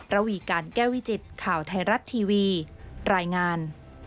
ระวีการแก้วิจิตข่าวไทยรัฐทีวีรายงาน